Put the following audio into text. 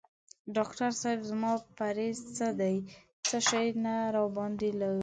ډاکټر صېب زما پریز څه دی څه شی نه راباندي لویږي؟